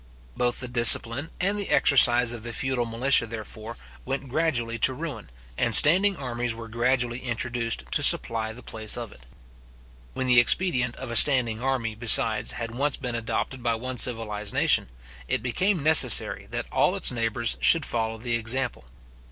Both the discipline and the exercise of the feudal militia, therefore, went gradually to ruin, and standing armies were gradually introduced to supply the place of it. When the expedient of a standing army, besides, had once been adopted by one civilized nation, it became necessary that all its neighbours should follow the example.